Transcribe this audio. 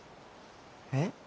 えっ？